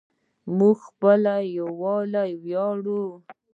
موږ په خپل یووالي ویاړو.